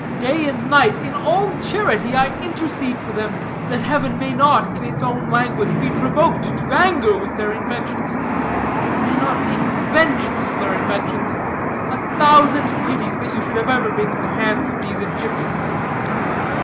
Day and night, in all charity, I intercede for them, that heaven may not, in its own language, be provoked to anger with their inventions; may not take vengeance of their inventions. A thousand pities that you should ever have been in the hands of these Egyptians."